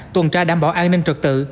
tuần tra đảm bảo an ninh trật tự